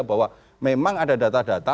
bahwa memang ada data data